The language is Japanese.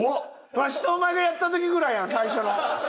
わしとお前がやった時ぐらいやん最初の。